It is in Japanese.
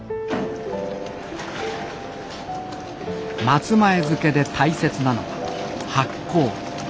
松前漬で大切なのは発酵。